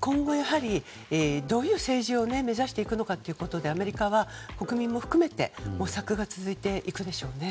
今後、どういう政治を目指していくのかということでアメリカは国民も含めて模索が続いていくでしょうね。